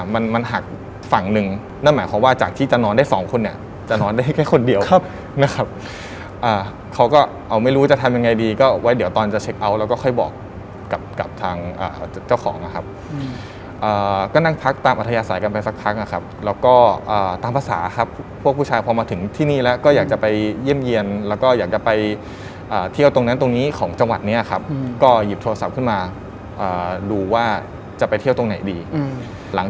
มันหักฝั่งหนึ่งนั่นหมายความว่าจากที่จะนอนได้สองคนเนี่ยจะนอนได้แค่คนเดียวนะครับเขาก็เอาไม่รู้จะทำยังไงดีก็ไว้เดี๋ยวตอนจะเช็คเอาท์แล้วก็ค่อยบอกกับทางเจ้าของนะครับก็นั่งพักตามอัธยาศัยกันไปสักพักนะครับแล้วก็ตามภาษาครับพวกผู้ชายพอมาถึงที่นี่แล้วก็อยากจะไปเยี่ยมเยี่ยมแล้วก็อยากจะไปเที่ยวตรง